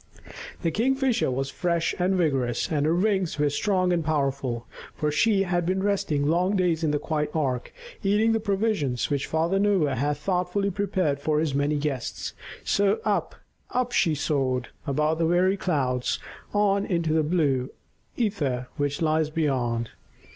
The Kingfisher was fresh and vigorous, and her wings were strong and powerful, for she had been resting long days in the quiet ark, eating the provisions which Father Noah had thoughtfully prepared for his many guests. So up, up she soared, above the very clouds, on into the blue ether which lies beyond.